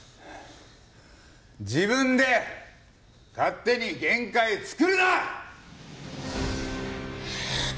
自分で勝手に限界作るな！